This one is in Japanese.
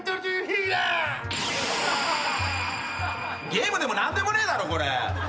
ゲームでも何でもねえだろ！